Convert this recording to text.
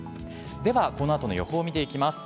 ではこのあとの予報を見ていきます。